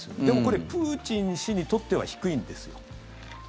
でも、これプーチン氏にとっては低いんですよ。